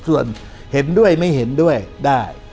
ส่วนเห็นด้วยไม่เห็นด้วยได้